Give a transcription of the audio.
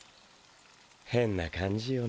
変な感じよね